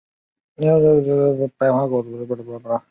白化病狗是不合标准的。